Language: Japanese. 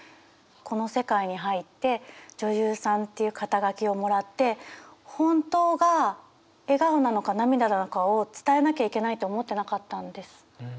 この世界に入って女優さんっていう肩書をもらって本当が笑顔なのか涙なのかを伝えなきゃいけないと思ってなかったんです。